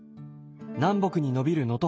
南北に延びる能登